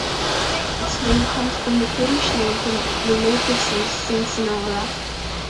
Its name comes from the Cornish name for the local saint, Saint Senara.